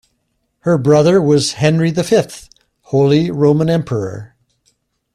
Her brother was Henry the Fifth, Holy Roman Emperor.